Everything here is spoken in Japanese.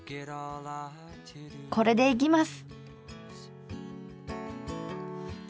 これでいきます！